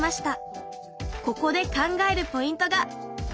ここで考えるポイントが！